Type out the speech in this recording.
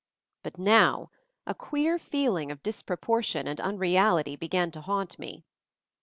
But now a queer feeling of disproportion and unreality began to haunt me.